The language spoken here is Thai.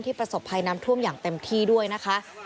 ประสบภัยน้ำท่วมอย่างเต็มที่ด้วยนะคะ